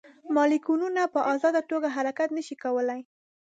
مالیکولونه په ازاده توګه حرکت نه شي کولی.